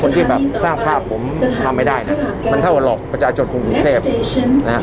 ที่แบบสร้างภาพผมทำไม่ได้นะมันเท่ากับหลอกประชาชนคนกรุงเทพนะฮะ